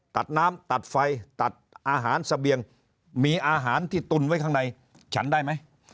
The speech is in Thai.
ตัดน้ำตัดไฟตัดอาหารเสบียงมีอาหารที่ตุนไว้ข้างในฉันได้ไหม